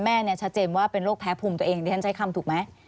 แม่เนี่ยชัดเจนว่าเป็นโรคแพ้ภูมิตัวเองดิฉันใช้คำถูกไหม